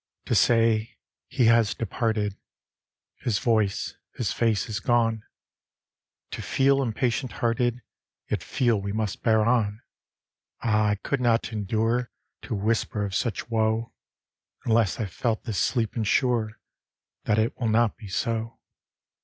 To say " He has departed " ŌĆö " His voice " ŌĆö '* his face " ŌĆö is gone ; To feel impatient hearted, Yet feel we must bear on ; Ah, I could not endure To whisper of such woe, Unless I felt this sleep ensure That it will not be so.